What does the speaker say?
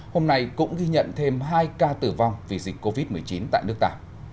hôm nay cũng ghi nhận thêm hai ca tử vong vì dịch covid một mươi chín tại nước ta